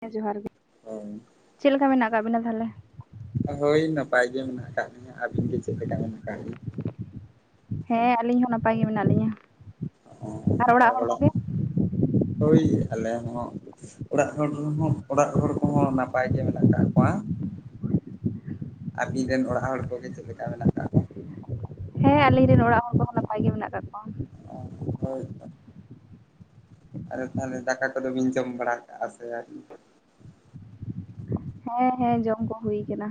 ᱦᱮᱸ ᱡᱚᱦᱟᱨ ᱜᱮ᱾ [unintelligible] ᱪᱮᱫ ᱞᱮᱠᱟ ᱢᱮᱱᱟᱜ ᱠᱟᱫ ᱵᱤᱱᱟ ᱛᱟᱦᱚᱞᱮ? ᱦᱳᱭ ᱱᱟᱯᱟᱭ ᱜᱮ ᱢᱮᱱᱟᱜ ᱠᱟᱫ ᱞᱤᱧᱟᱹ ᱟᱵᱤᱱ ᱜᱮ ᱪᱮᱫ ᱞᱮᱠᱟ ᱢᱮᱱᱟᱜ ᱠᱟᱫ ᱵᱤᱱᱟ? ᱦᱮᱸ ᱟᱹᱞᱤᱧ ᱦᱚᱸ ᱱᱟᱯᱟᱭ ᱜᱮ ᱢᱮᱱᱟᱜ ᱞᱤᱧᱟᱹ ᱚ ᱚᱲᱟᱜ ᱟᱨ ᱦᱚᱲ ᱵᱚᱞᱮ, ᱠᱚᱜᱮ ᱦᱳᱭ ᱟᱞᱮ ᱦᱚᱸ ᱚᱲᱟᱜ ᱦᱚᱲ ᱨᱮᱦᱚᱸ, ᱚᱲᱟᱜ ᱦᱚᱲ ᱠᱚᱦᱚᱸ ᱱᱟᱯᱟᱭ ᱜᱮ ᱢᱮᱱᱟᱜ ᱠᱟᱜ ᱠᱚᱣᱟ᱾ ᱟᱵᱤᱱ ᱨᱮᱱ ᱚᱲᱟᱜ ᱦᱚᱲ ᱠᱚᱜᱮ ᱪᱮᱫ ᱞᱮᱠᱟ ᱢᱮᱱᱟᱜ ᱠᱟᱜ ᱠᱚᱣᱟ? ᱦᱮᱸ ᱟᱞᱤᱧ ᱨᱮᱱ ᱚᱲᱟᱜ ᱦᱚᱲ ᱠᱚᱦᱚᱸ ᱱᱟᱯᱟᱭ ᱜᱮ ᱢᱮᱱᱟᱜ ᱠᱟᱜ ᱠᱚᱣᱟ᱾ ᱚ ᱦᱳᱭ ᱛᱚ᱾ ᱟᱫᱚ ᱛᱟᱦᱚᱞᱮ ᱫᱟᱠᱟ ᱠᱚᱫᱚ ᱵᱤᱱ ᱡᱚᱢ ᱵᱟᱲᱟ ᱠᱟᱜᱼᱟ ᱥᱮ ᱦᱮᱸ ᱦᱮᱸ ᱡᱚᱢ ᱠᱚ ᱦᱩᱭ ᱟᱠᱟᱱᱟ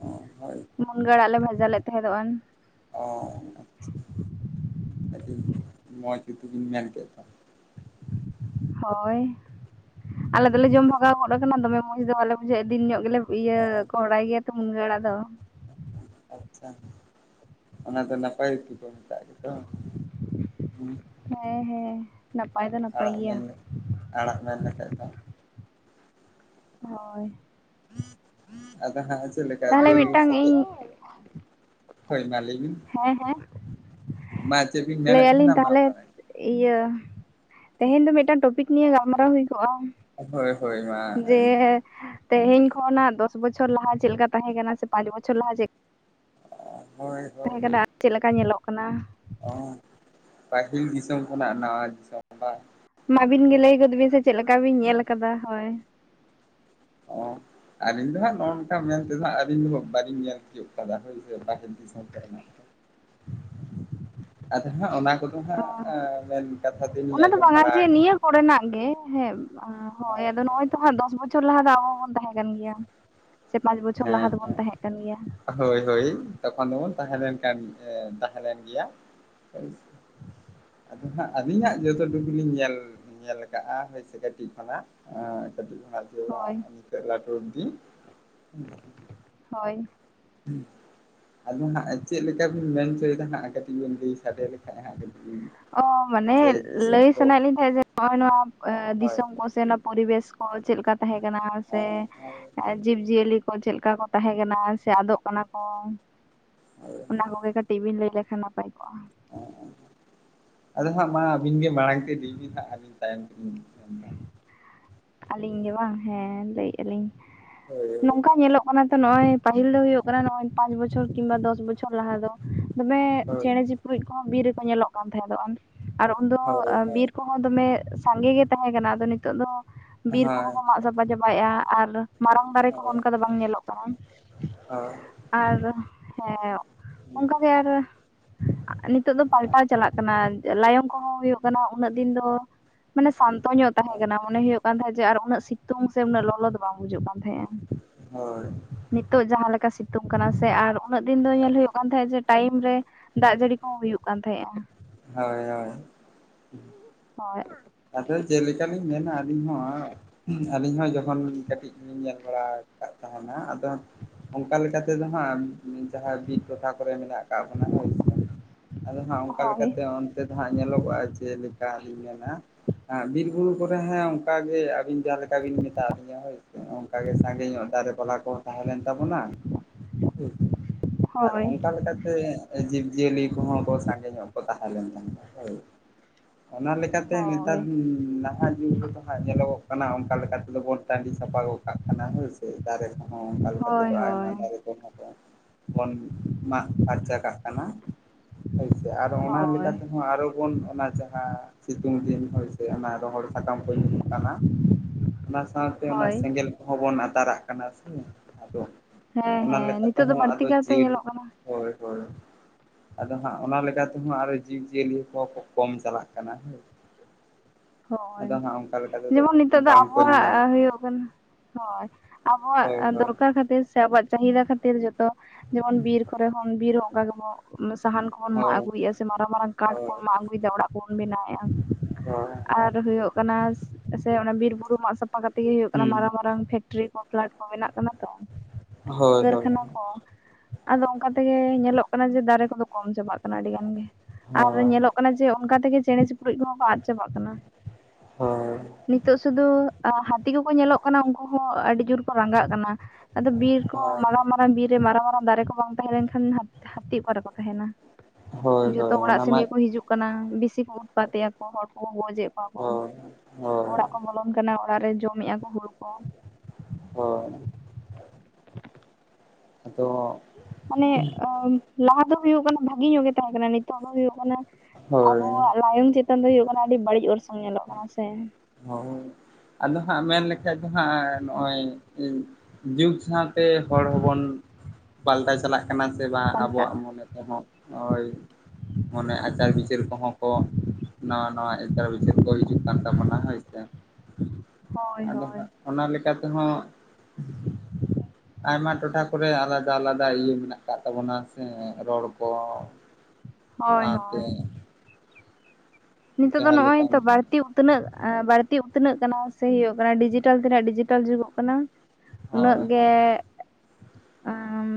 ᱚ ᱦᱳᱭ ᱢᱩᱱᱜᱟᱹᱟᱹᱲᱟᱜ ᱞᱮ ᱵᱷᱟᱡᱟ ᱞᱮᱫ ᱛᱟᱦᱮᱸᱫᱚᱜᱼᱟ ᱚ ᱟᱪᱪᱷᱟ ᱟᱰᱤ ᱢᱚᱡ ᱜᱮᱛᱳ ᱢᱮᱱ ᱠᱮᱫ ᱫᱚ ᱦᱳᱭ ᱟᱞᱮ ᱫᱚᱞᱮ ᱡᱚᱢ ᱵᱷᱟᱜᱟᱣ ᱜᱚᱫ ᱟᱠᱟᱱᱟ ᱫᱚᱢᱮ ᱢᱚᱸᱡᱽ ᱫᱚ ᱵᱟᱞᱮ ᱵᱩᱡᱷᱟᱹᱜᱣᱼᱟ ᱫᱤᱱ ᱧᱚᱜ ᱜᱮᱞᱮ ᱤᱭᱟᱹ ᱚ ᱠᱚᱲᱟᱭ ᱜᱮᱛ ᱢᱩᱱᱜᱟᱹ ᱟᱲᱜ ᱫᱚ ᱟᱪᱪᱷᱟ ᱚᱱᱟ ᱫᱚ ᱱᱟᱯᱟᱭ ᱜᱮ ᱛᱮ ᱠᱚ ᱢᱮᱛᱟᱜ ᱜᱮᱛᱚ ᱦᱮᱸ ᱦᱮᱸ ᱱᱟᱯᱟᱭ ᱫᱚ ᱱᱟᱯᱟᱭ ᱟᱲᱟᱜ ᱜᱮᱭᱟ ᱢᱮᱱ ᱟᱲᱟᱜ ᱢᱮᱱ ᱞᱮᱠᱷᱟᱡ ᱫᱚ ᱦᱳᱭ ᱟᱫᱚ ᱦᱟᱸᱜ ᱪᱮᱫ ᱞᱮᱠᱟ ᱛᱟᱦᱚᱞᱮ [inaudible] ᱢᱤᱫᱴᱟᱝ ᱥᱮᱫᱮᱫ ᱤᱧ ᱦᱳᱭ ᱢᱟ ᱞᱟᱹᱭ ᱵᱤᱱ, ᱦᱮᱸ ᱦᱮᱸ ᱢᱟ ᱪᱮᱫ ᱵᱤᱱ ᱞᱟᱹᱭ ᱢᱮᱱᱮᱫ ᱛᱟᱦᱮᱱᱟ ᱟᱹᱞᱤᱧ ᱢᱟ ᱛᱟᱦᱚᱞᱮ ᱢᱟᱨᱟᱝ ᱤᱭᱟᱹ ᱛᱮᱦᱮᱧ ᱫᱚ ᱢᱤᱫᱴᱟᱝ ᱴᱚᱯᱤᱠ ᱱᱤᱭᱮ ᱜᱟᱞᱢᱟᱨᱟᱣ ᱦᱩᱭ ᱠᱚᱜᱼᱟ ᱦᱳᱭ ᱦᱳᱭ ᱢᱟ ᱡᱮ ᱛᱮᱦᱮᱧ ᱠᱷᱚᱱᱟᱜ ᱫᱚᱥ ᱵᱚᱪᱷᱚᱨ ᱞᱟᱦᱟ ᱪᱮᱫᱞᱮᱠᱟ ᱛᱟᱦᱮᱸᱠᱟᱱᱟ ᱥᱮ ᱯᱟᱸᱪ ᱵᱚᱪᱷᱚᱨ ᱞᱟᱦᱟ ᱪᱮᱫᱞᱮᱠᱟ ᱦᱳᱭ ᱦᱳᱭ ᱛᱟᱦᱮᱸ ᱠᱟᱱᱟ ᱟᱨ ᱪᱮᱫ ᱞᱮᱠᱟ ᱧᱮᱞᱚᱜ ᱠᱟᱱᱟ ᱚ ᱯᱟᱹᱦᱤᱞ ᱫᱤᱥᱚᱢ ᱠᱷᱚᱱᱟᱜ ᱱᱟᱣᱟ [inaudible] ᱢᱟ ᱟᱹᱵᱤᱱ ᱜᱮ ᱞᱟᱹᱭ ᱜᱚᱫ ᱵᱤᱱ ᱥᱮ ᱪᱮᱫᱠᱟ ᱵᱤᱱ ᱧᱮᱞ ᱟᱠᱟᱫᱟ ᱦᱳᱭ ᱚ ᱟᱞᱤᱧ ᱫᱚ ᱦᱟᱸᱜ ᱱᱚᱜ ᱠᱟ ᱢᱮᱱᱛᱮᱫᱚᱜ ᱟᱹᱞᱤᱧ ᱫᱚ ᱵᱟᱹᱞᱤᱧ ᱧᱮᱞ ᱛᱤᱭᱳᱜ ᱠᱟᱫᱟ ᱦᱳᱥᱮ ᱫᱤᱥᱚᱢ ᱠᱚᱨᱮᱱᱟᱜ ᱠᱚ ᱟᱫᱚ ᱦᱟᱸᱜ ᱚᱱᱟ ᱠᱚᱫᱚ ᱚ ᱦᱟᱸᱜ ᱢᱮᱱ ᱠᱟᱛᱷᱟ ᱛᱮᱞᱤᱧ ᱚᱱᱟ ᱫᱚ ᱟᱸᱡᱚᱢ ᱵᱟᱝᱟ ᱵᱟᱲᱟ ᱡᱮ ᱠᱟᱜᱼᱟ ᱱᱤᱭᱟᱹ ᱠᱚᱨᱮᱱᱟᱜ ᱜᱮ ᱦᱮᱸ ᱦᱳᱭ ᱟᱫᱚ ᱱᱚ ᱚᱭ ᱛᱚ ᱦᱟᱸᱜ ᱫᱚᱥ ᱵᱚᱪᱷᱚᱨ ᱞᱟᱦᱟ ᱫᱚ ᱟᱵᱚ ᱵᱚᱱ ᱛᱟᱦᱮᱸ ᱠᱟᱱ ᱜᱮᱭᱟ ᱥᱮ ᱯᱟᱸᱪ ᱵᱚᱪᱷᱚᱨ ᱞᱟᱦᱟ ᱦᱮᱸ ᱫᱚᱵᱚᱱ ᱦᱮᱸ ᱛᱟᱦᱮᱸ ᱠᱟᱱ ᱜᱮᱭᱟ ᱦᱳᱭ ᱦᱳᱭ ᱛᱚᱠᱷᱚᱱᱵᱚᱱ ᱛᱟᱦᱮᱸ ᱞᱮᱱ ᱠᱟᱱ ᱛᱟᱦᱮᱸ ᱞᱮᱱ ᱜᱮᱭᱟ ᱦᱟᱸᱜ ᱟᱹᱞᱤᱧ ᱦᱟᱜ ᱡᱚᱛᱚ ᱴᱩᱠ ᱞᱤᱧ ᱧᱮᱞ ᱧᱮᱞ ᱟᱠᱟᱫᱼᱟ ᱦᱚᱳᱭᱥᱮ ᱠᱟᱹᱴᱤᱡ ᱠᱷᱚᱱᱟᱜ ᱠᱟᱹᱴᱤᱡ ᱠᱷᱚᱱᱟᱜ ᱦᱳᱭ ᱱᱤᱛᱚᱜ ᱞᱟᱹᱴᱩ ᱚᱵᱽᱫᱤ ᱦᱳᱭ [inaudible] ᱟᱫᱚ ᱦᱟᱸᱜ ᱪᱮᱫ ᱞᱮᱠᱟ ᱵᱤᱱ ᱢᱮᱱᱪᱚᱭᱮᱫᱟ ᱦᱟᱸᱜ ᱠᱟᱹᱴᱤᱡ ᱵᱤᱱ ᱞᱟᱹᱭ ᱥᱟᱰᱮ ᱞᱮᱠᱷᱟᱱᱡ ᱦᱟᱸᱜ ᱠᱟᱹᱴᱤᱡ ᱚ ᱢᱟᱱᱮ ᱥᱮ ᱫᱤᱥᱚᱢ ᱞᱟᱹᱭ ᱠᱚ ᱥᱟᱱᱟᱭᱮᱫ ᱞᱤᱧ ᱛᱟᱦᱮᱸᱫ ᱡᱮ ᱱᱚᱜᱼᱚᱭ ᱱᱚᱣᱟ ᱦᱳᱭ ᱫᱤᱥᱚᱢ ᱥᱮ ᱚᱱᱟ ᱯᱚᱨᱤᱵᱮᱥ ᱠᱚ ᱪᱮᱫ ᱞᱮᱠᱟ ᱛᱟᱦᱮᱸ ᱠᱟᱱᱟ ᱥᱮ- ᱦᱳᱭ ᱡᱤᱵᱽ ᱡᱤᱭᱟᱹᱞᱤ ᱠᱚ ᱪᱮᱫ ᱞᱮᱠᱟ ᱠᱚ ᱛᱟᱦᱮᱸ ᱠᱟᱱᱟ ᱥᱮ ᱟᱫᱚᱜ ᱠᱟᱱᱟ ᱠᱚ ᱚᱱᱟ ᱠᱚᱜᱮ ᱠᱟᱹᱴᱤᱡ ᱵᱤᱱ ᱞᱟᱹᱭ ᱞᱮᱠᱷᱟᱱ ᱱᱟᱯᱟᱭ ᱠᱚᱜᱼᱟ ᱚ ᱟᱫᱚ ᱦᱟᱸᱜ ᱢᱟ ᱟᱹᱵᱤᱱ ᱜᱮ ᱢᱟᱲᱟᱝ ᱛᱮ ᱤᱫᱤᱭ ᱵᱤᱱ ᱦᱟᱸᱜ ᱟᱹᱵᱤᱱ ᱛᱟᱭᱚᱢ ᱛᱮᱞᱤᱧ ᱢᱮᱱᱫᱟ ᱟᱹᱞᱤᱧ ᱜᱮ ᱵᱟᱝ ᱦᱮᱸ ᱞᱟᱹᱭᱮᱫᱼᱟ ᱞᱤᱧ ᱦᱳᱭ ᱱᱚᱝᱠᱟ ᱧᱮᱞᱚᱜ ᱠᱟᱱᱟ ᱚᱱᱟ ᱛᱚ ᱱᱚᱜᱼᱚᱭ ᱯᱟᱹᱤᱞ ᱫᱚ ᱦᱩᱭᱩᱜᱭ ᱠᱟᱱᱟ ᱱᱚᱜᱚᱭ ᱯᱟᱸᱪ ᱵᱚᱪᱷᱚᱨ ᱠᱤᱵᱟ ᱫᱚᱥ ᱵᱚᱪᱷᱚᱨ ᱞᱟᱦᱟ ᱫᱚ ᱫᱚᱢᱮ ᱦᱳᱭ ᱪᱮᱬᱮ ᱪᱤᱯᱨᱩᱫ ᱠᱚᱦᱚᱸ ᱵᱤᱨ ᱨᱮᱠᱚ ᱧᱮᱞᱚᱜ ᱠᱟᱱ ᱛᱟᱦᱮᱸᱫᱚᱜ ᱟᱨ ᱩᱱᱫᱚ ᱦᱳᱭ ᱵᱤᱨ ᱠᱚ- ᱫᱚᱢᱮ ᱥᱟᱸᱜᱮ ᱜᱮ ᱛᱟᱦᱮᱸ ᱠᱟᱱᱟ ᱟᱫᱚ ᱱᱤᱛᱚᱜ ᱫᱚ ᱵᱤᱨ ᱠᱚᱦᱚᱸ ᱦᱳᱭ ᱠᱚ ᱢᱟᱜ ᱥᱟᱯᱟ ᱪᱟᱵᱟᱭᱮᱫᱼᱟ ᱟᱨ ᱢᱟᱨᱟᱝ ᱦᱳᱭ ᱫᱟᱨᱮ ᱦᱳᱭ ᱠᱚᱦᱚᱸ ᱚᱱᱠᱟ ᱫᱚ ᱵᱟᱝ ᱧᱮᱞᱚᱜ ᱠᱟᱱᱟ ᱦᱳᱭ ᱟᱨ ᱦᱮᱸ ᱚᱱᱠᱟᱜᱮ ᱟᱨ ᱱᱤᱛᱳᱜ ᱫᱚ ᱯᱟᱞᱴᱟᱣ ᱪᱟᱞᱟᱜ ᱠᱟᱱᱟ ᱞᱟᱭᱚᱝ ᱠᱚᱦᱚᱸ ᱦᱩᱭᱩᱜ ᱠᱟᱱᱟ ᱩᱱᱟᱹᱜ ᱫᱤᱱ ᱫᱚ ᱢᱟᱱᱮ ᱥᱟᱱᱛᱚ ᱧᱚᱜ ᱛᱟᱦᱮᱸ ᱠᱟᱱᱟ ᱢᱚᱱᱮ ᱦᱩᱭᱩᱜ ᱟᱨ ᱡᱮ ᱩᱱᱟᱹᱜ ᱥᱤᱛᱩᱝ ᱥᱮ ᱩᱱᱟᱹᱜ ᱞᱚᱞᱚᱫ ᱵᱟᱝ ᱵᱩᱡᱩᱜ ᱠᱟᱱ ᱛᱟᱦᱮᱸᱟᱸᱜᱼᱟ ᱦᱳᱭ ᱱᱤᱛᱳᱜ ᱡᱟᱦᱟᱸ ᱞᱮᱠᱟ ᱥᱤᱛᱩᱝ ᱠᱟᱱᱟ ᱥᱮ ᱟᱨ ᱩᱱᱟᱹᱜ ᱫᱤᱱ ᱫᱚ ᱦᱳᱭ ᱧᱮᱞ ᱦᱩᱭᱩᱜ ᱠᱟᱱ ᱛᱟᱦᱮᱸᱫ ᱡᱮ ᱴᱟᱭᱤᱢ ᱨᱮ ᱫᱟᱜ ᱡᱟᱹᱲᱤ ᱠᱚᱦᱚᱸ ᱦᱩᱭᱩᱜ ᱠᱟᱱ ᱛᱟᱦᱮᱸᱜᱼᱟ ᱦᱳᱭ ᱦᱳᱭ ᱦᱳᱭ ᱟᱫᱚ ᱪᱮᱫ ᱞᱮᱠᱟᱞᱤᱧ ᱢᱮᱱᱟ ᱟᱹᱞᱤᱧ ᱦᱚᱸ ᱟᱹᱞᱤᱧ ᱦᱚᱸ ᱡᱚᱠᱷᱚᱱ ᱠᱟᱹᱴᱤᱡ ᱞᱤᱧ ᱧᱮᱞ ᱵᱟᱲᱟ ᱟᱠᱟᱫ ᱛᱟᱦᱮᱱᱟ ᱟᱫᱚ ᱚᱱᱠᱟ ᱛᱮᱫᱚ ᱦᱟᱸᱜ ᱡᱟᱦᱟᱸ ᱵᱤᱨ ᱴᱚᱴᱷᱟ ᱠᱚᱨᱮ ᱢᱮᱱᱟᱜ ᱟᱠᱟᱫ ᱵᱚᱱᱟ ᱦᱳᱭ ᱥᱮ ᱟᱫᱚ ᱦᱟᱸᱜ ᱚᱱᱠᱟ ᱦᱳᱭ ᱞᱮᱠᱟᱛᱮ ᱛᱮᱫᱚ ᱦᱟᱜ ᱧᱮᱞᱚᱜᱚᱜᱼᱟ ᱪᱮᱫ ᱞᱮᱠᱟᱞᱤᱧ ᱢᱮᱱᱟ ᱮ ᱵᱤᱨ ᱵᱩᱨᱩ ᱠᱚᱨᱮ ᱦᱮᱸ ᱚᱱᱠᱟᱜᱮ ᱟᱹᱵᱤᱱ ᱡᱟᱦᱟᱸᱞᱮᱠᱟ ᱵᱤᱱ ᱢᱮᱛᱟ ᱫᱤᱧᱟᱹ ᱦᱳᱭ ᱚᱱᱠᱟ ᱜᱮ ᱥᱟᱸᱜᱮ ᱧᱚᱜ ᱫᱟᱨᱮ ᱵᱟᱞᱟ ᱠᱚᱦᱚᱸ ᱛᱟᱦᱮᱸ ᱞᱮᱱ ᱛᱟᱵᱚᱱᱟ ᱴᱷᱤᱠ ᱟᱨ ᱦᱳᱭ ᱚᱱᱠᱟ ᱥᱮ ᱡᱤᱵᱽᱡᱤᱭᱟᱹᱞᱤ ᱠᱚᱦᱚᱸ ᱠᱚ ᱥᱟᱸᱜᱮ ᱧᱚᱜ ᱠᱚ ᱛᱟᱦᱮᱸ ᱞᱮᱱ ᱛᱟᱦᱮᱸ ᱦᱳᱭ ᱚᱱᱟ ᱛ ᱦᱳᱭ [unintelligible] ᱱᱟᱦᱟᱜ ᱡᱩᱜᱽ ᱨᱮᱫᱚ ᱦᱟᱸᱜ ᱧᱮᱞᱚᱜᱚᱜ ᱠᱟᱱᱟ ᱚᱱᱠᱟ ᱞᱮᱠᱟ ᱛᱮᱫᱚ ᱵᱚᱱ ᱴᱟᱺᱰᱤ ᱥᱟᱯᱷᱟ ᱠᱟᱜ ᱠᱟᱱᱟ ᱦᱮᱸ ᱥᱮ ᱫᱟᱨᱮ ᱦ ᱠᱟᱞ ᱠᱷᱛᱮ ᱦᱳᱭ ᱫᱚ ᱟᱭᱢᱟ ᱦᱳᱭ ᱫᱟᱨ ᱠᱚ ᱵᱚᱱ ᱢᱟᱜ ᱯᱷᱟᱨᱪᱟ ᱠᱟᱜ ᱠᱟᱱᱟ ᱦᱳᱭᱥᱮ ᱟᱨ ᱚᱱᱟ ᱦᱳᱭ ᱛᱮᱦᱚᱸ ᱟᱨᱚ ᱵᱚᱱ ᱚᱱᱟ ᱡᱟᱦᱟᱸ ᱥᱤᱛᱩᱝ ᱫᱤᱱ ᱦᱚᱭ ᱥᱮ ᱚᱱᱟ ᱨᱚᱦᱚᱲ ᱥᱟᱠᱟᱢ ᱠᱚ ᱧᱩᱨᱩᱜ ᱚᱱᱟ ᱥᱟᱶᱛᱮ ᱚᱱᱟ ᱦᱳᱭ ᱥᱮᱸᱜᱮᱞ ᱠᱚᱦᱚᱸ ᱵᱚᱱ ᱟᱛᱟᱨᱟᱜ ᱠᱟᱱᱟ ᱥᱮ ᱟᱫᱚ ᱦᱮᱸ ᱚᱱᱟ ᱦᱮᱸ ᱞᱮᱠᱟ ᱱᱤᱛᱚᱜ ᱫᱚ ᱛᱮᱦᱚᱸ ᱵᱟᱹᱲᱛᱤ ᱟᱫᱚ ᱠᱟᱭᱛᱮ ᱡᱤᱞ ᱧᱮᱞᱚᱜ ᱠᱟᱱᱟ ᱦᱳᱭ ᱦᱳᱭ ᱟᱫᱚ ᱦᱟᱸᱜ ᱚᱱᱟ ᱞᱮᱠᱟᱛᱮ ᱦᱟᱜ ᱟᱨᱚ ᱡᱤᱵᱽ ᱡᱤᱭᱟᱹᱞᱤ ᱠᱚ ᱠᱚᱢ ᱪᱟᱞᱟᱜ ᱠᱟᱱᱟ ᱦᱮᱸ ᱦᱳᱭ ᱚᱱᱠᱟ ᱞᱮᱠᱟ ᱡᱮᱢᱚᱱ ᱛᱮᱫᱚ ᱱᱤᱛᱚᱜ ᱫᱚ ᱵᱟᱝᱠᱚ ᱧᱮᱧᱟᱢᱚᱜ ᱟᱵᱚᱣᱟᱜ ᱦᱩᱭᱩᱜ ᱠᱟᱱᱟ ᱦᱳᱭ ᱟᱵᱚᱣᱟᱜ ᱦᱳᱭ ᱦᱳᱭ ᱫᱚᱨᱠᱟᱨ ᱠᱷᱟᱹᱛᱤᱨ ᱥᱮ ᱟᱵᱚᱣᱟᱜ ᱪᱟᱦᱤᱫᱟ ᱠᱷᱟᱹᱛᱤᱨ ᱡᱚᱛᱚ ᱡᱮᱢᱚᱱ ᱵᱤᱨ ᱠᱚᱨᱮ ᱦᱚᱸ ᱵᱤᱨ ᱦᱚᱸ ᱚᱱᱠᱟ ᱜᱮᱚᱱ ᱥᱟᱦᱟᱱ ᱠᱚᱵᱚᱱ ᱢᱟᱜ ᱦᱳᱭ ᱟᱜᱩᱭᱮᱫᱼᱟ ᱥᱮ ᱢᱟᱨᱟᱝ ᱢᱟᱨᱟᱝ ᱠᱟᱴ ᱠᱚ ᱦᱳᱭ ᱢᱟᱜ ᱟᱹᱜᱩᱭᱮᱫᱟ ᱚᱲᱟᱜ ᱠᱚᱵᱚᱱ ᱵᱮᱱᱟᱣᱮᱫᱼᱟ ᱦᱳᱭ ᱟᱨ ᱦᱩᱭᱩᱜ ᱠᱟᱱᱟ ᱥᱮ ᱚᱱᱟ ᱵᱤᱨ ᱵᱩᱨᱩ ᱢᱟᱜ ᱥᱟᱯᱷᱟ ᱠᱟᱛᱮᱜ ᱜᱮ ᱦᱩᱭᱩᱜ ᱠᱟᱱᱟ ᱦᱩᱸ ᱢᱟᱨᱟᱝ ᱢᱟᱨᱟᱝ ᱯᱷᱮᱠᱴᱨᱤ ᱠᱚ ᱯᱷᱞᱟᱴ ᱠᱚ ᱵᱮᱱᱟᱜ ᱠᱟᱱᱟ ᱛᱚ ᱦᱳᱭ ᱦᱳᱭ ᱠᱟᱹᱨᱠᱷᱟᱱᱟ ᱠᱚ ᱟᱫᱚ ᱚᱱᱠᱟ ᱛᱮᱜᱮ ᱦᱳᱭ ᱧᱮᱞᱚᱜ ᱠᱟᱱᱟ ᱡᱮ ᱫᱟᱨᱮ ᱠᱚᱫᱚ ᱠᱚᱢ ᱪᱟᱵᱟᱜ ᱠᱟᱱᱟ ᱟᱹᱰᱤ ᱜᱟᱱ ᱜᱮ ᱟᱨ ᱦᱳᱭ ᱧᱮᱞᱚᱜ ᱠᱟᱱᱟ ᱠᱟᱱᱟ ᱡᱮ ᱚᱱᱠᱟ ᱛᱮᱜᱮ ᱪᱮᱬᱮ ᱪᱤᱯᱨᱩ ᱠᱚᱦᱚᱸ ᱠᱚ ᱟᱜ ᱪᱟᱵᱟᱜ ᱠᱟᱱᱟ ᱱᱤᱛᱚᱜ ᱥᱩᱫᱩ ᱦᱟᱹᱛᱤ ᱠᱚᱠᱚ ᱧᱮᱞᱚᱜ ᱠᱟᱱᱟ ᱩᱱᱠᱩ ᱦᱚᱸ ᱟᱹᱰᱤ ᱡᱳᱨ ᱠᱚ ᱨᱟᱸᱜᱟᱜ ᱠᱟᱱᱟ ᱟᱫᱚ ᱵᱤᱨ ᱠᱚ ᱦᱳᱭ ᱚᱱᱟ ᱵᱤᱨ ᱨᱮ ᱢᱟᱨᱟᱝ ᱢᱟᱨᱟᱝ ᱫᱟᱨᱮ ᱠᱚ ᱵᱟᱝ ᱛᱟᱦᱮᱸ ᱞᱮᱱ ᱠᱷᱟᱱ ᱦᱟᱹᱛᱤ ᱚᱠᱟ ᱨᱮ ᱠᱚ ᱛᱟᱦᱮᱱᱟ ᱦᱳᱭ ᱡᱚᱛᱚ ᱦᱳᱭ ᱚᱲᱟᱜ ᱚᱱᱟ ᱥᱮᱱ ᱢᱟ ᱠᱚ ᱦᱤᱡᱩᱜ ᱠᱟᱱᱟ ᱠᱟᱱᱟ ᱵᱮᱥᱤ ᱠᱚ ᱩᱛᱯᱟᱛᱮ ᱮᱭᱟ ᱠᱚ ᱦᱚᱲ ᱠᱚᱠᱚ ᱜᱚᱡᱮᱫ ᱠᱚᱣᱟ ᱠᱚ ᱦᱳᱭ ᱦᱳᱭ ᱚᱲᱟᱜ ᱠᱚ ᱵᱚᱞᱚᱱ ᱠᱟᱱᱟ ᱚᱲᱟᱜ ᱨᱮ ᱡᱚᱢᱮᱫᱼᱟ ᱠᱚ ᱦᱩᱲᱩ ᱠᱚ ᱦᱳᱭ ᱟᱫᱚ ᱢᱟᱱᱮ ᱞᱟᱦᱟ ᱫᱚ ᱦᱩᱭᱩᱜ ᱠᱟᱱᱟ ᱵᱷᱟᱜᱮ ᱧᱚᱜ ᱜᱮ ᱛᱟᱦᱮᱸ ᱠᱟᱱᱟ ᱱᱤᱛᱚᱜ ᱫᱚ ᱦᱩᱭᱩᱜ ᱠᱟᱱᱟ ᱦᱳᱭ ᱟᱵᱚᱣᱟᱜ ᱞᱟᱭᱚᱝ ᱪᱮᱛᱟᱱ ᱫᱚ ᱦᱩᱭᱩᱜ ᱠᱟᱱᱟ ᱟᱹᱰᱤ ᱵᱟᱹᱲᱤᱡ ᱚᱨᱥᱚᱝ ᱧᱮᱞᱚᱜ ᱠᱟᱱᱟ ᱥᱮ ᱦ ᱟᱫᱚ ᱦᱟᱸᱜ ᱢᱮᱱ ᱞᱮᱠᱷᱟᱡ ᱫᱚ ᱦᱟᱸᱜ ᱱᱚᱜᱼᱚᱭ ᱡᱩᱜᱽ ᱥᱟᱶᱛᱮ ᱦᱚᱲ ᱦᱚᱵᱚᱱ ᱯᱟᱞᱴᱟᱣ ᱪᱟᱞᱟᱜ ᱠᱟᱱᱟ ᱥᱮ ᱵᱟᱝ ᱯᱟᱞᱴᱟᱜ ᱟᱵᱚᱣᱟᱜ ᱢᱚᱱᱮ ᱛᱮᱦᱚᱸ ᱱᱚᱜᱚᱭ ᱢᱟᱱᱮ ᱟᱪᱟᱨ ᱵᱤᱪᱟᱹᱨ ᱠᱚᱦᱚᱸ ᱠᱚ ᱱᱟᱣᱟ ᱱᱟᱣᱟ ᱟᱪᱟᱨ ᱵᱤᱪᱟᱹᱨ ᱠᱚ ᱦᱤᱡᱩᱜ ᱠᱟᱱ ᱛᱟᱵᱚᱱᱟ ᱦᱳᱭᱥᱮ ᱦᱳᱭ ᱟᱫᱚ ᱦᱳᱭ ᱦᱟᱜ ᱚᱱᱟ ᱞᱮᱠᱟ ᱛᱮᱦᱚᱸ ᱟᱭᱢᱟ ᱴᱚᱴᱷᱟ ᱠᱚᱨᱮ ᱟᱞᱟᱫᱟ ᱟᱞᱟᱫᱟ ᱤᱭᱟᱹ ᱢᱮᱱᱟᱜ ᱟᱠᱟᱫ ᱛᱟᱵᱚᱱᱟ ᱥᱮ ᱨᱚᱲ ᱠᱚ [unintelligible] ᱦᱳᱭ ᱥᱟᱶᱛᱮ ᱦᱳᱭ ᱱᱤᱛᱚᱜ ᱫᱚ ᱡᱟᱦᱟᱸ ᱱᱚᱜ ᱚᱭ ᱞᱮᱠᱟᱱ ᱛᱚ ᱵᱟᱹᱲᱛᱤ ᱩᱛᱱᱟᱹᱜ ᱵᱟᱹᱲᱛᱤ ᱩᱛᱱᱟᱹᱜ ᱠᱟᱱᱟ ᱥᱮ ᱦᱩᱭᱩᱜ ᱠᱟᱱᱟ ᱰᱤᱡᱤᱴᱮᱞ ᱛᱮ ᱰᱤᱡᱤᱴᱟᱞ ᱡᱩᱜᱚᱜ ᱠᱟᱱᱟ ᱩᱱᱟᱹᱜ ᱦᱳᱭ ᱜᱮ ᱦᱳᱭ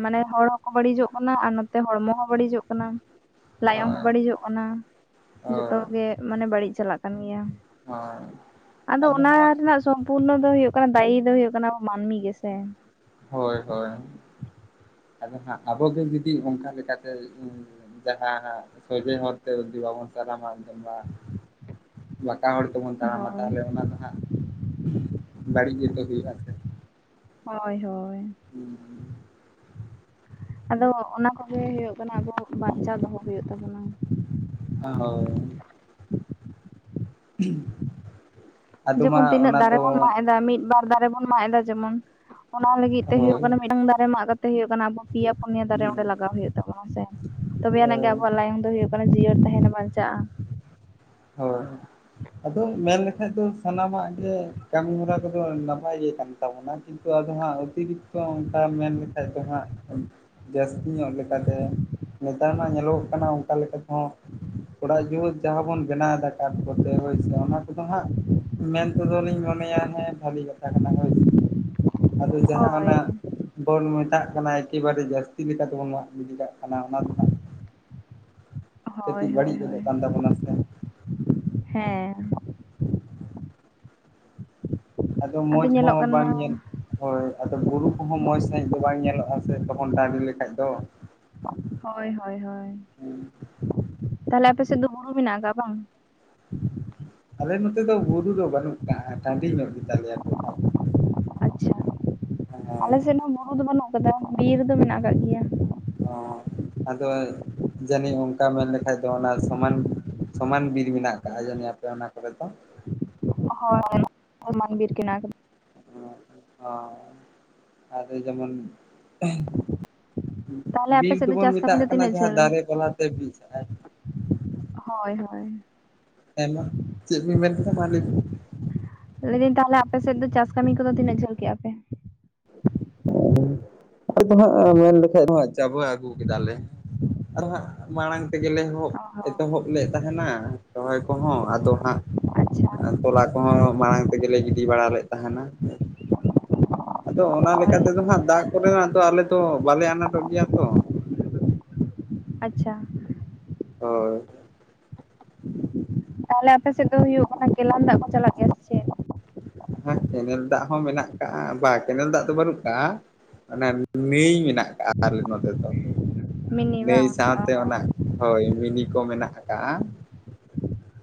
ᱢᱟᱱᱮ ᱦᱚᱲ ᱦᱚᱸᱠᱚ ᱵᱟᱹᱲᱤᱡᱚᱜ ᱠᱟᱱᱟ ᱟᱨ ᱱᱚᱛᱮ ᱦᱚᱲᱢᱚ ᱦᱚᱸ ᱵᱟᱹᱲᱤᱡᱚᱜ ᱠᱟᱱᱟ ᱞᱟᱭᱚᱝ ᱦᱚᱸ ᱦᱳᱭ ᱵᱟᱹᱲᱤᱡᱚᱜ ᱠᱟᱱᱟ ᱾ ᱡᱚᱛᱚ ᱦᱳᱭ ᱜᱮ ᱢᱟᱱᱮ ᱵᱟᱹᱲᱤᱡ ᱪᱟᱞᱟᱜ ᱠᱟᱱ ᱜᱮᱭᱟ ᱦᱳᱭ ᱟᱫᱚ ᱚᱱᱟ ᱨᱮᱱᱟᱜ ᱼᱼ ᱥᱚᱢᱯᱩᱨᱱᱚ ᱫᱚ ᱦᱩᱭᱩᱜ ᱠᱟᱱᱟ ᱫᱟᱭᱤ ᱫᱚ ᱦᱚᱭᱩᱜ ᱠᱟᱱᱟ ᱟᱵᱚ ᱢᱟᱹᱱᱢᱤ ᱜᱮ ᱥᱮ ᱾ ᱦᱳᱭ ᱦᱳᱭ ᱾ ᱟᱫᱚ ᱦᱟᱜ ᱟᱵᱚ ᱜᱮ ᱡᱩᱫᱤ ᱚᱱᱠᱟ ᱞᱮᱠᱟᱛᱮ ᱡᱟᱦᱟᱸ ᱦᱟᱸᱜ ᱼᱼ ᱥᱚᱡᱮ ᱦᱚᱨᱛᱮ ᱡᱩᱫᱤ ᱵᱟᱵᱚᱱ ᱛᱟᱲᱟᱢᱟ [unintelligible] ᱵᱟᱠᱟ ᱦᱚᱲ ᱛᱮ ᱵᱚᱱ ᱛᱟᱲᱟᱢᱟ ᱦᱳᱭ ᱛᱟᱦᱚᱞᱮ ᱚᱱᱟ ᱫᱚ ᱦᱟᱸᱜᱼᱼ ᱵᱟᱹᱲᱤᱡ ᱜᱮ ᱛᱚ ᱦᱩᱭᱩᱜᱼᱟ ᱥᱮ ᱾ ᱦᱳᱭ ᱦᱳᱭ ᱾ ᱦᱩᱸᱻ ᱟᱫᱚ ᱚᱱᱟ ᱠᱚᱜᱮ ᱦᱩᱭᱩᱜ ᱠᱟᱱᱟ ᱟᱵᱚ ᱵᱟᱧᱪᱟᱣ ᱫᱚᱦᱚ ᱦᱩᱭᱩᱜ ᱛᱟᱵᱚᱱᱟ ᱾ ᱦᱳᱭ ᱾ [unintelligible] ᱟᱫᱚ ᱢᱟ ᱡᱮᱢᱚᱱ ᱛᱤᱱᱟᱹᱜ ᱚᱱᱟ ᱫᱟᱨᱮ ᱫᱚ ᱵᱚᱱ ᱢᱟᱜ ᱮᱫᱟ ᱢᱤᱫᱵᱟᱨ ᱫᱟᱨᱮ ᱵᱚᱱ ᱢᱟᱜ ᱮᱫᱟ ᱡᱮᱢᱚᱱ ᱼᱼ ᱚᱱᱟ ᱞᱟᱹᱜᱤᱫ ᱛᱮ ᱦᱳᱭ ᱦᱳᱭ ᱦᱳᱭᱳᱜ ᱠᱟᱱᱟ ᱢᱤᱫᱴᱟᱝ ᱫᱟᱨᱮ ᱢᱟᱜ ᱠᱟᱛᱮ ᱦᱳᱭᱳᱜ ᱠᱟᱱᱟ ᱟᱵᱚ ᱯᱮᱭᱟ ᱯᱩᱱᱭᱟ ᱫᱟᱨᱮ ᱚᱸᱰᱮ ᱞᱟᱜᱟᱣ ᱦᱩᱭᱩᱜ ᱛᱟᱵᱚᱱᱟᱸ ᱥᱮ ᱾ ᱛᱚᱵᱮ ᱟᱱᱟᱝ ᱜᱮ ᱟᱵᱚᱣᱟᱜ ᱞᱟᱭᱚᱝ ᱫᱚ ᱦᱩᱭᱩᱜ ᱠᱟᱱᱟ ᱡᱤᱭᱟᱹᱲ ᱛᱟᱦᱮᱱ ᱵᱟᱧᱪᱟᱜᱼᱟ ᱾ ᱦᱳᱭ ᱾ ᱟᱫᱚ ᱢᱮᱱ ᱞᱮᱠᱷᱟᱡ ᱫᱚ ᱥᱟᱱᱟᱢᱟᱜ ᱜᱮ ᱠᱟᱹᱢᱤ ᱦᱚᱨᱟ ᱠᱚ ᱫᱚ ᱱᱟᱯᱟᱭ ᱜᱮ ᱠᱟᱱ ᱛᱟᱵᱚᱱᱟ ᱠᱤᱱᱛᱩ ᱼᱼ ᱟᱫᱚ ᱦᱟᱸᱜ ᱚᱛᱤᱨᱤᱠᱛᱚ ᱚᱱᱠᱟ ᱢᱮᱱ ᱞᱮᱠᱷᱟᱡ ᱫᱚ ᱦᱟᱸᱜ ᱼᱼ ᱡᱟᱹᱥᱛᱤ ᱧᱚᱜ ᱞᱮᱠᱟᱛᱮ ᱱᱮᱛᱟᱨ ᱢᱟ ᱧᱮᱞᱚᱜᱚᱜ ᱠᱟᱱᱟ ᱚᱱᱠᱟ ᱞᱮᱠᱟ ᱛᱮᱦᱚᱸᱼᱼ ᱚᱲᱟᱜ ᱫᱩᱣᱟᱹᱨ ᱡᱟᱦᱟᱸ ᱵᱚᱱ ᱵᱮᱱᱟᱣ ᱮᱫᱟ ᱠᱟᱴᱷ ᱠᱚᱛᱮ ᱦᱳᱭ ᱥᱮ ᱚᱱᱟ ᱠᱚ ᱫᱚ ᱦᱟᱸᱜᱼᱼ ᱢᱮᱱ ᱛᱮᱫᱚ ᱞᱤᱧ ᱢᱚᱱᱮᱭᱟ ᱦᱮᱸ ᱵᱷᱟᱞᱤ ᱠᱟᱛᱷᱟ ᱠᱟᱱᱟ ᱦᱳᱭ ᱥᱮ ᱟᱫᱚ ᱡᱟᱦᱟᱸ ᱦᱟᱱᱟ ᱦᱳᱭ ᱼᱼ ᱵᱚᱱ ᱢᱮᱛᱟᱜ ᱠᱟᱱᱟ ᱮᱠᱮᱵᱟᱨᱮ ᱡᱟᱹᱥᱛᱤ ᱞᱮᱠᱟ ᱛᱮᱵᱚᱱ ᱢᱟᱜ ᱜᱤᱰᱤ ᱠᱟᱜ ᱠᱟᱱᱟ ᱚᱱᱟ ᱫᱚ ᱦᱟᱸᱜ ᱼᱼ ᱦᱳᱭ ᱠᱟᱹᱴᱤᱡ ᱦᱳᱭ ᱵᱟᱹᱲᱤᱡ ᱦᱳᱭ ᱜᱚᱫᱚᱜ ᱠᱟᱱ ᱛᱟᱵᱚᱱᱟ ᱥᱮ ᱾ ᱦᱮᱸ ᱾ ᱟᱫᱚ ᱢᱚᱡᱽ ᱧᱮᱞᱚᱜ ᱦᱚᱸ ᱠᱟᱱᱟ ᱵᱟᱝ ᱧᱮᱞᱼᱼ ᱦᱳᱭ ᱟᱫᱚ ᱵᱩᱨᱩ ᱠᱚᱦᱚᱸ ᱢᱚᱡᱽ ᱥᱟᱺᱦᱤᱡ ᱫᱚ ᱵᱟᱝ ᱧᱮᱞᱚᱜᱼᱟ ᱥᱮ ᱛᱚᱠᱷᱚᱱ ᱴᱟᱺᱰᱤ ᱞᱮᱠᱷᱟᱡ ᱫᱚ ᱾ ᱦᱳᱭ ᱦᱳᱭ ᱦᱳᱭ ᱦᱮᱸ ᱛᱟᱦᱚᱞᱮ ᱟᱯᱮ ᱥᱮᱫ ᱫᱚ ᱵᱩᱨᱩ ᱢᱮᱱᱟᱜ ᱟᱠᱟᱜᱼᱟ ᱵᱟᱝ? ᱟᱞᱮ ᱱᱚᱛᱮ ᱫᱚ ᱵᱩᱨᱩ ᱫᱚ ᱵᱟᱹᱱᱩᱜ ᱠᱟᱜᱼᱟ ᱴᱟᱺᱰᱤ ᱧᱚᱜ ᱜᱮ ᱛᱟᱞᱮᱭᱟ ᱾ ᱟᱪᱪᱷᱟ ᱟᱞᱮ ᱦᱮᱸ ᱥᱮᱫ ᱦᱚᱸᱼᱼ ᱵᱩᱨᱩ ᱫᱚ ᱵᱟᱹᱱᱩᱜ ᱟᱠᱟᱫᱟ ᱵᱤᱨ ᱫᱚ ᱢᱮᱱᱟᱜ ᱟᱠᱟᱫ ᱜᱮᱭᱟ ᱾ ᱚᱻ ᱟᱫᱚ ᱡᱟᱹᱱᱤᱡ ᱚᱱᱠᱟ ᱢᱮᱱ ᱞᱮᱠᱷᱟᱡ ᱫᱚ ᱚᱱᱟ ᱥᱚᱢᱟᱱ ᱼᱼ ᱥᱚᱢᱟᱱ ᱵᱤᱨ ᱢᱮᱱᱟᱜ ᱟᱠᱟᱫᱼᱟ ᱡᱟᱱᱤᱡ ᱟᱯᱮ ᱚᱱᱟ ᱠᱚᱨᱮ ᱫᱚ? ᱦᱳᱭ ᱚᱱᱟ ᱥᱚᱢᱟᱱ ᱵᱤᱨ ᱠᱟᱱᱟ ᱾ [unintelligible] ᱟᱫᱚ ᱡᱮᱢᱚᱱ ᱛᱟᱦᱞᱮ ᱼᱼ ᱟᱯᱮ ᱵᱤᱨ ᱥᱮᱫ ᱫᱚ ᱫᱚᱵᱚᱱ ᱪᱟᱥ ᱠᱟᱹᱢᱤ ᱢᱮᱛᱟᱜ ᱫᱚ ᱠᱟᱱᱟ ᱛᱤᱱᱟᱹᱜ ᱡᱟᱦᱟᱸ ᱡᱷᱟᱹᱞ ᱫᱟᱨᱮ ᱯᱟᱞᱦᱟ ᱛᱮ ᱵᱤᱨ ᱼᱼ ᱦᱳᱭ ᱦᱳᱭ ᱾ ᱟᱭᱢᱟ ᱼᱼ ᱪᱮᱫ ᱵᱤᱱ ᱢᱮᱱ ᱠᱮᱫᱟ ᱢᱟ ᱞᱟᱹᱭ ᱵᱤᱱ ᱾ ᱞᱟᱹᱭᱫᱟᱹᱧ ᱛᱟᱦᱞᱮ ᱟᱯᱮ ᱥᱮᱫ ᱫᱚ ᱪᱟᱥ ᱠᱟᱹᱢᱤ ᱠᱚᱫᱚ ᱛᱤᱱᱟᱹᱜ ᱡᱷᱟᱹᱞ ᱠᱮᱫᱼᱟ ᱯᱮ? ᱟᱫᱚ ᱦᱟᱸᱜ ᱢᱮᱱ ᱞᱮᱠᱷᱟᱡ ᱫᱚ ᱦᱟᱸᱜ ᱪᱟᱵᱟ ᱟᱹᱜᱩ ᱠᱮᱫᱟᱞᱮ ᱾ ᱟᱨ ᱦᱟᱸᱜ ᱢᱟᱲᱟᱝ ᱛᱮ ᱜᱮᱞᱮ ᱮᱦᱚᱵ ᱚ ᱦᱚᱸ ᱮᱛᱚᱦᱚᱵ ᱞᱮᱫ ᱛᱟᱦᱮᱱᱟ ᱨᱚᱦᱚᱭ ᱠᱚᱦᱚᱸ ᱟᱫᱚ ᱦᱟᱸᱜ ᱟᱪᱪᱷᱟ ᱼᱼ ᱛᱚᱞᱟ ᱠᱚᱦᱚᱸ ᱢᱟᱲᱟᱝ ᱼᱼ ᱛᱮ ᱜᱮᱞᱮ ᱜᱤᱰᱤ ᱵᱟᱲᱟ ᱞᱮᱫ ᱛᱟᱦᱮᱱᱟ ᱟᱫᱚ ᱚᱱᱟ ᱼᱼ ᱦᱳᱭ ᱛᱮ ᱫᱚ ᱦᱟᱸᱜ ᱫᱟᱜ ᱠᱚ ᱨᱮᱱᱟᱜ ᱫᱚ ᱟᱞᱮ ᱫᱚ ᱵᱟᱞᱮ ᱟᱱᱟᱴᱚᱜ ᱜᱮᱭᱟ ᱛᱚ ᱾ ᱟᱪᱪᱷᱟ ᱾ ᱦᱳᱭ ᱾ ᱛᱟᱦᱚᱞᱮ ᱟᱯᱮ ᱥᱮᱫ ᱫᱚ ᱦᱩᱭᱩᱜ ᱠᱟᱱᱟ ᱠᱮᱞᱟᱱ ᱫᱟᱜ ᱠᱚ ᱪᱟᱞᱟᱜ ᱜᱮᱭᱟ ᱥᱮ ᱪᱮᱫ? ᱦᱮᱸ ᱠᱮᱱᱮᱞ ᱫᱟᱜ ᱦᱚᱸ ᱢᱮᱱᱟᱜ ᱠᱟᱜᱼᱟ, ᱵᱟ ᱠᱮᱱᱮᱞ ᱫᱟᱜ ᱫᱚ ᱵᱟᱹᱱᱩᱜ ᱠᱟᱜᱼᱟ ᱾ ᱚᱱᱟ ᱱᱟᱹᱭ ᱢᱮᱱᱟᱜ ᱠᱟᱜᱼᱟ ᱟᱞᱮ ᱱᱚᱛᱮ ᱫᱚ ᱢᱤᱱᱤ ᱱᱟᱹᱭ ᱵᱟᱝ ᱚ ᱥᱟᱶᱛᱮ ᱚᱱᱟ ᱦᱚᱸ ᱼᱼ ᱦᱳᱭ ᱢᱤᱱᱤ ᱠᱚ ᱢᱮᱱᱟᱜ ᱟᱠᱟᱜᱼᱟ᱾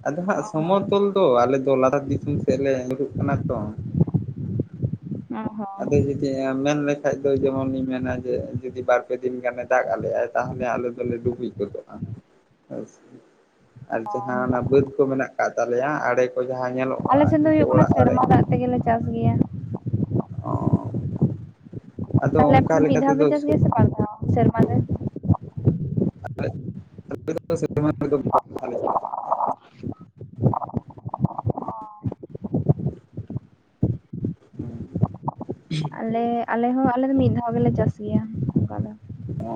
ᱟᱫᱚ ᱦᱟᱸᱜ ᱚ ᱦᱚᱸ ᱥᱚᱢᱚᱛᱚᱞ ᱫᱚ ᱟᱞᱮ ᱫᱚ ᱞᱟᱛᱟᱨ ᱫᱤᱥᱚᱢ ᱥᱮᱫ ᱞᱮ ᱧᱩᱨᱩᱜ ᱠᱟᱱᱟ ᱛᱚ᱾ ᱚ ᱦᱚᱸ ᱟᱫᱚ ᱡᱩᱫᱤ, ᱢᱮᱱ ᱞᱮᱠᱷᱟᱡ ᱫᱚ ᱡᱮᱢᱚᱱᱤᱧ ᱢᱮᱱᱟ ᱡᱮ ᱡᱩᱫᱤ ᱵᱟᱨᱯᱮ ᱫᱤᱱ ᱜᱟᱱᱮ ᱫᱟᱜ ᱟᱞᱮᱼᱟᱭ ᱛᱟᱦᱚᱞᱮ ᱟᱞᱮ ᱫᱚᱞᱮ ᱰᱩᱵᱩᱡ [unintelligible] ᱟᱨ ᱡᱟᱦᱟᱸ ᱚᱱᱟ ᱚ ᱵᱟᱹᱫᱽ ᱠᱚ ᱢᱮᱱᱟᱜ ᱠᱟᱫ ᱛᱟᱞᱮᱭᱟ ᱟᱲᱮ ᱠᱚ ᱡᱟᱦᱟᱸ ᱧᱮᱞᱚᱜᱼᱟ ᱟᱞᱮ ᱥᱮᱫ ᱫᱚ ᱦᱩᱭᱩᱜ ᱱᱤᱛᱳᱜ ᱠᱟᱱᱟ ᱚᱲᱟᱜ ᱟᱲᱮ ᱥᱮᱨᱢᱟ ᱫᱟᱜ ᱛᱮᱜᱮᱞᱮ ᱪᱟᱥ ᱜᱮᱭᱟ᱾ ᱚ ᱟᱫᱚ ᱛᱟᱦᱚᱞᱮ ᱟᱯᱮ ᱚᱱᱠᱟ ᱫᱚ ᱢᱤᱫ ᱞᱮᱠᱟ ᱫᱷᱟᱣ ᱯᱮ ᱛᱮᱫᱚ ᱪᱟᱥ ᱜᱮᱭᱟ ᱥᱮ ᱵᱟᱨ ᱫᱷᱟᱣ ᱥᱮᱨᱢᱟ ᱨᱮ, [unintelligible] [unintelligible] ᱟᱞᱮ ᱟᱞᱮ ᱦᱚᱸ ᱟᱞᱮ ᱫᱚ ᱢᱤᱫ ᱫᱷᱟᱣ ᱜᱮᱞᱮ ᱪᱟᱥ ᱜᱮᱭᱟ ᱚᱱᱠᱟ ᱫᱚ᱾ ᱚ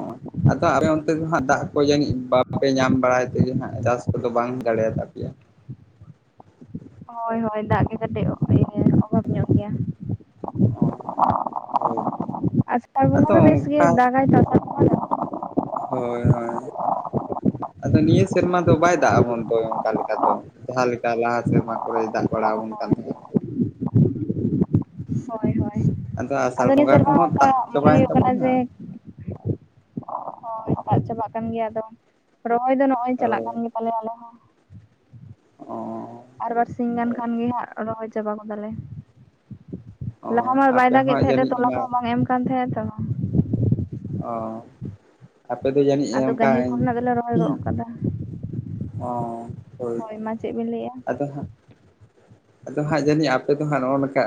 ᱟᱫᱚ ᱟᱞᱮ ᱚᱱᱛᱮ ᱫᱚᱜ ᱫᱟᱜ ᱠᱚ ᱡᱟᱹᱱᱤᱡ ᱵᱟᱯᱮ ᱧᱟᱢ ᱵᱟᱲᱟᱭ ᱛᱮᱜᱮ ᱦᱟᱸᱜ ᱪᱟᱥ ᱠᱚᱫᱚ ᱵᱟᱝ ᱦᱩᱭ ᱫᱟᱲᱮᱭᱟᱛᱟᱯᱮᱭᱟ᱾ ᱦᱳᱭ ᱦᱳᱭ ᱫᱟᱜ ᱜᱮ ᱠᱟᱹᱴᱤᱡ ᱚᱵᱷᱟᱵᱽ ᱧᱚᱜ ᱜᱮᱭᱟ᱾ ᱚ ᱦᱳᱭ ᱟᱫᱚ [unintelligible] ᱵᱮᱥ ᱜᱮ ᱚᱱᱠᱟ ᱫᱟᱜᱟᱭ ᱫᱟᱜᱟᱭ ᱦᱳᱭ ᱦᱳᱭ ᱟᱫᱚ ᱱᱤᱭᱟᱹ ᱥᱮᱨᱢᱟ ᱫᱚ ᱵᱟᱭ ᱫᱟᱜ ᱟᱵᱚᱱ ᱫᱚ ᱚᱱᱠᱟ ᱞᱮᱠᱟ ᱫᱚ᱾ ᱡᱟᱦᱟᱸ ᱞᱮᱠᱟ ᱞᱟᱦᱟ ᱥᱮᱨᱢᱟ ᱠᱚᱨᱮ ᱫᱟᱜ ᱵᱟᱲᱟ ᱟᱵᱚᱱ ᱠᱟᱱ ᱛᱟᱦᱮᱱ ᱦᱳᱭ ᱦᱳᱭ ᱟᱫᱚ ᱟᱥᱟᱲ ᱱᱤᱭᱟᱹ ᱵᱚᱸᱜᱟ ᱥᱮᱨᱢᱟ ᱠᱚᱦᱚᱸ ᱚᱱᱠᱟ ᱛᱟᱜ ᱢᱚᱱᱮ ᱪᱟᱵᱟᱭᱮᱱ ᱦᱩᱭᱩᱜ ᱠᱟᱱᱟ ᱛᱟᱵᱚᱱᱟ᱾ ᱡᱮ ᱦᱳᱭ ᱫᱟᱜ ᱪᱟᱵᱟᱜ ᱠᱟᱱ ᱜᱮᱭᱟ ᱟᱫᱚ ᱨᱚᱦᱚᱭ ᱫᱚ ᱱᱚᱜᱼᱚᱭ ᱪᱟᱞᱟᱜ ᱦᱳᱭ ᱠᱟᱱ ᱜᱮᱛᱟᱞᱮᱭᱟ ᱟᱞᱮ ᱦᱚᱸ ᱚ ᱟᱨ ᱵᱟᱨ ᱥᱤᱧ ᱜᱟᱱ ᱠᱷᱟᱱ ᱜᱮ ᱦᱟᱜ ᱨᱚᱦᱚᱭ ᱪᱟᱵᱟ ᱜᱚᱫᱟᱞᱮ, ᱚ ᱞᱟᱦᱟ ᱢᱟ ᱵᱟᱭ ᱟᱯᱮ ᱫᱟᱜᱮᱫ ᱦᱚᱸ ᱛᱟᱦᱮᱸ ᱡᱟᱹᱱᱤᱡ ᱛᱚᱞᱟ ᱚᱱᱟ ᱠᱚᱦᱚᱸ ᱵᱟᱝ ᱮᱢ ᱛᱟᱦᱮᱸᱜᱼᱟ ᱛᱚ ᱚ ᱟᱯᱮ ᱫᱚ ᱡᱟᱹᱱᱤᱡ ᱟᱫᱚ ᱚᱱᱠᱟ ᱜᱟᱹᱦᱤᱨ ᱠᱚᱨᱮᱱᱟᱜ ᱫᱚᱞᱮ ᱨᱚᱦᱚᱭ ᱜᱚᱫ ᱠᱟᱫᱟ ᱚ ᱦᱳᱭ ᱛᱚ ᱢᱟ ᱪᱮᱫ ᱵᱤᱱ ᱞᱟᱹᱭᱮᱜᱼᱟ ᱟᱫᱚ ᱦᱟᱜ ᱟᱫᱚ ᱦᱟᱸᱜ ᱡᱟᱹᱱᱤᱡ ᱟᱯᱮ ᱫᱚ ᱦᱟᱸᱜ ᱱᱚᱜᱚ ᱱᱚᱝᱠᱟ,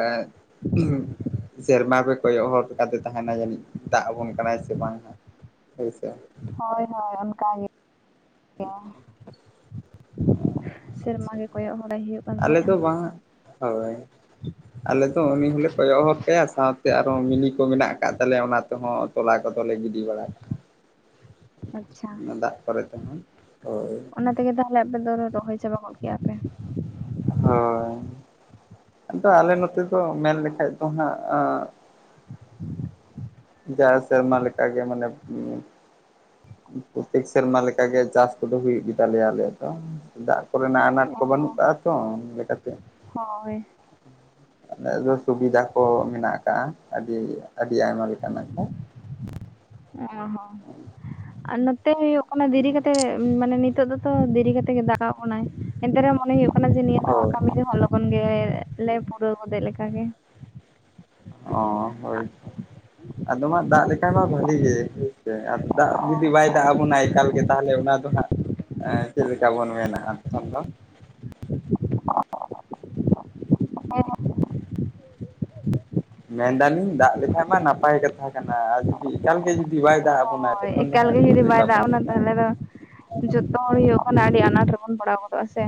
ᱥᱮᱨᱢᱟ ᱨᱮ ᱠᱚᱭᱚᱜ ᱦᱚᱨ ᱠᱟᱛᱮ ᱛᱟᱦᱮᱱᱟ ᱡᱟᱹᱱᱤᱡ ᱫᱟᱜ ᱟᱵᱚᱱ ᱠᱟᱱᱟᱭ ᱥᱮ ᱵᱟᱝ ᱦᱟᱜ ᱦᱳᱭᱥᱮ ᱦᱳᱭ ᱦᱳᱭ ᱚᱱᱠᱟᱜᱮ᱾ ᱥᱮᱨᱢᱟ ᱜᱮ ᱠᱚᱭᱚᱜ ᱵᱟᱲᱟᱭ ᱦᱩᱭᱩᱜ ᱠᱟᱱ ᱟᱞᱮ ᱛᱟᱦᱮᱸᱫᱼᱟ᱾ ᱫᱚ ᱵᱟᱝ ᱦᱳᱭ ᱟᱞᱮ ᱫᱚ ᱩᱱᱤ ᱦᱚᱸᱞᱮ ᱠᱚᱭᱚᱜ ᱦᱚᱨ ᱠᱟᱭᱟ, ᱥᱟᱶᱛᱮ ᱟᱨᱦᱚ ᱢᱤᱱᱤ ᱠᱚ ᱢᱮᱱᱟᱜ ᱟᱠᱟᱫ ᱛᱟᱞᱮᱭᱟ ᱚᱱᱟ ᱛᱮᱦᱚᱸ᱾ ᱛᱚᱞᱟ ᱠᱚᱫᱚ ᱞᱮ ᱜᱤᱰᱤ ᱵᱟᱲᱟ ᱟᱪᱪᱷᱟ ᱠᱟᱜ-ᱟ᱾ ᱫᱟᱜ ᱠᱚᱨᱮ ᱛᱮᱦᱚᱸ ᱦᱳᱭ ᱚᱱᱟ ᱛᱮᱜᱮ ᱛᱟᱦᱚᱞᱮ ᱟᱯᱮ ᱫᱚ ᱨᱚᱦᱚᱭ ᱪᱟᱵᱟ ᱜᱚᱫ ᱠᱮᱭᱟ ᱯᱮ᱾ ᱦᱳᱭ, ᱟᱫᱚ ᱟᱞᱮ ᱱᱚᱛᱮ ᱫᱚ ᱢᱮᱱ ᱞᱮᱠᱷᱟᱡ ᱫᱚ ᱦᱟᱸᱜ [inaudible] ᱡᱟᱣ ᱥᱮᱨᱢᱟ ᱞᱮᱠᱟᱜᱮ ᱢᱟᱱᱮ ᱯᱩᱛᱤ ᱥᱮᱨᱢᱟ ᱞᱮᱠᱟ ᱜᱮ ᱪᱟᱥ ᱠᱚᱫᱚ ᱦᱩᱭᱩᱜ ᱜᱮᱛᱟᱞᱮᱭᱟ ᱟᱞᱮᱭᱟᱜ ᱫᱚ᱾ ᱫᱟᱜ ᱠᱚᱨᱮᱱᱟᱜ ᱟᱱᱟᱴ ᱠᱚ ᱚ ᱵᱟᱹᱱᱩᱜ ᱠᱟᱜᱼᱟ ᱛᱚ ᱞᱮᱠᱟᱛᱮ ᱦᱚᱸ ᱦᱳᱭ ᱟᱞᱮ ᱫᱚ ᱥᱩᱵᱤᱫᱷᱟ ᱠᱚ ᱢᱮᱱᱟᱜ ᱟᱠᱟᱜᱼᱟ ᱟᱹᱰᱤ ᱟᱹᱰᱤ ᱟᱭᱢᱟ ᱞᱮᱠᱟᱱᱟᱜ ᱜᱮ᱾ ᱚ ᱦᱚᱸ ᱟᱨ ᱱᱚᱛᱮ ᱦᱩᱭᱩᱜ ᱠᱟᱱᱟ ᱫᱮᱨᱤ ᱠᱟᱛᱮᱜ ᱢᱟᱱᱮ ᱱᱤᱛᱚᱜ ᱫᱚᱛᱚ ᱫᱮᱨᱤ ᱠᱟᱛᱮᱜ ᱜᱮ ᱫᱟᱜ ᱟᱜ ᱵᱚᱱᱟᱭ ᱮᱱᱛᱮ ᱨᱮᱦ ᱢᱚᱱᱮ ᱦᱩᱭᱩᱜ ᱠᱟᱱᱟ ᱡᱮ ᱱᱤᱭᱟᱹ ᱫᱟᱣ ᱦᱳᱭ ᱟᱜ ᱠᱟᱹᱢᱤ ᱫᱚ ᱛᱚᱠᱷᱚᱱ ᱜᱮ ᱞᱮ ᱯᱩᱨᱟᱹᱣ ᱜᱚᱫᱮᱜ ᱞᱮᱠᱟᱜ ᱜᱮ ᱚ ᱦᱳᱭ ᱛᱚ ᱟᱫᱚ ᱢᱟ ᱫᱟᱜ ᱞᱮᱠᱟ ᱢᱟ ᱵᱟᱹᱞᱤ ᱜᱮ ᱦᱳᱭᱥᱮ ᱟᱫᱚ ᱫᱟᱜ ᱡᱩᱫᱤ ᱵᱟᱭ ᱫᱟᱜ ᱟᱵᱚᱱᱟ ᱮᱠᱟᱞ ᱜᱮ ᱛᱟᱦᱚᱞᱮ ᱚᱱᱟ ᱫᱚ ᱦᱟᱸᱜ ᱮᱜ ᱪᱮᱫ ᱞᱮᱠᱟ ᱵᱚᱱ ᱢᱮᱱᱟ ᱟᱛᱠᱷᱟᱱ ᱫᱚ [unintelligible] ᱢᱮᱱᱫᱟᱞᱤᱧ ᱫᱟᱜ ᱞᱮᱠᱷᱟᱡ ᱢᱟ ᱱᱟᱯᱟᱭ ᱠᱟᱛᱷᱟ ᱠᱟᱱᱟ, ᱟᱨ ᱡᱩᱫᱤ ᱮᱠᱟᱞ ᱜᱮ ᱡᱩᱫᱤ ᱵᱟᱭ ᱫᱟᱜ ᱟᱵᱚᱱᱟᱭ ᱦᱳᱭ ᱛᱚᱠᱷᱚᱱ ᱫᱚ ᱮᱠᱟᱞ ᱜᱮ ᱦᱟᱸᱜ ᱪᱮᱫ ᱡᱩᱫᱤ ᱵᱟᱭ ᱞᱮᱠᱟ ᱫᱟᱜ ᱵᱚᱱ ᱟᱵᱚᱱᱟ ᱢᱮᱛᱟᱜ ᱛᱟᱦᱚᱞᱮ ᱫᱚ ᱡᱚᱛᱚ ᱦᱚᱲ ᱦᱩᱭᱩᱜ ᱠᱟᱱᱟ ᱟᱹᱰᱤ ᱟᱱᱟᱴ ᱨᱮᱵᱚᱱ ᱯᱟᱲᱟᱣ ᱜᱚᱫᱚᱜᱼᱟ ᱥᱮ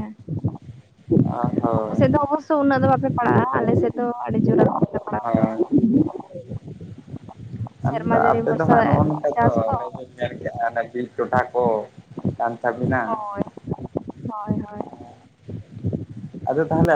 ᱟ ᱦᱳᱭ ᱛᱚ ᱩᱱᱟᱹᱜ ᱫᱚ ᱵᱟᱯᱮ ᱯᱟᱲᱟᱜᱼᱟ ᱟᱞᱮᱥᱮᱫ ᱫᱚ ᱟᱹᱰᱤ ᱡᱳᱨ ᱯᱟᱲᱟᱣ ᱜᱚᱫᱚᱜᱼᱟ ᱦᱳᱭ ᱟᱫᱚ ᱥᱮᱨᱢᱟ ᱡᱟᱹᱲᱤ ᱟᱯᱮ ᱫᱚ ᱵᱷᱚᱨᱥᱟ ᱦᱟᱸᱜ ᱱᱚᱜᱼᱚ ᱱᱚᱝᱠᱟ ᱛᱚ ᱚᱱᱮ ᱵᱤᱱ ᱢᱮᱱ ᱠᱮᱫ ᱟᱨ ᱵᱤᱨ ᱴᱚᱴᱷᱟ ᱠᱚ ᱠᱟᱱ ᱛᱟᱵᱤᱱᱟ ᱦᱳᱭ ᱦᱳᱭ ᱦᱳᱭ ᱟᱫᱚ ᱛᱟᱦᱚᱞᱮ